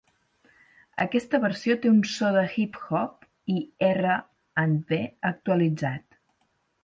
Aquesta versió té un so de hip hop i R and B actualitzat.